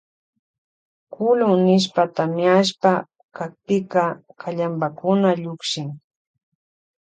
Kulun nishpa tamiashpa kakpika kallanpakuna llukshin.